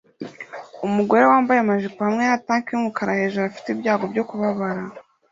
Umugore wambaye amajipo hamwe na tank yumukara hejuru afite ibyago byo kubabara